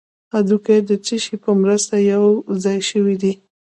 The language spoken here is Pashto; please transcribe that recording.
هډوکي د څه شي په مرسته یو ځای شوي دي